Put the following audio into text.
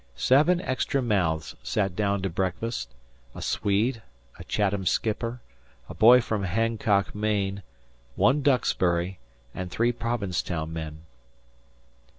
Seven extra mouths sat down to breakfast: A Swede; a Chatham skipper; a boy from Hancock, Maine; one Duxbury, and three Provincetown men.